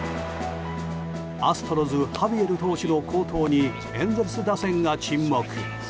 アストロズハビエル投手の好投にエンゼルス打線が沈黙。